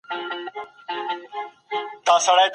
د ارغنداب سیند ته مشروعې کانالونه جوړ سوي دي.